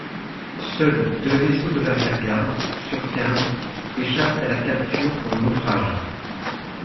Seuls deux vaisseaux de l’arrière-garde, sur quinze, échappent à la capture ou au naufrage.